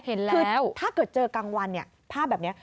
คือถ้าเกิดเจอกลางวันเนี่ยภาพแบบนี้